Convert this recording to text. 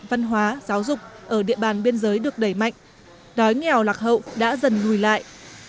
văn hóa giáo dục ở địa bàn biên giới được đẩy mạnh đói nghèo lạc hậu đã dần lùi lại